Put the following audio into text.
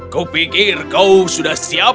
kupikir kau sudah siap